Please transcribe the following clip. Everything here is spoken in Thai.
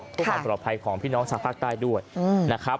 เพื่อความปลอดภัยของพี่น้องชาวภาคใต้ด้วยนะครับ